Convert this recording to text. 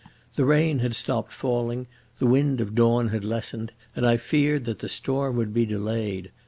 The rain had stopped falling, the wind of dawn had lessened, and I feared that the storm would be delayed.